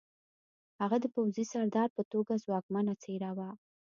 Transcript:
هغه د پوځي سردار په توګه ځواکمنه څېره وه